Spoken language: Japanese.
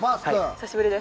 久しぶりです。